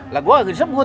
lah gua gak bisa sebut